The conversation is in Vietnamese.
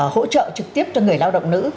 hỗ trợ trực tiếp cho người lao động nữ